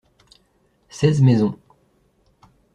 Seize maisons.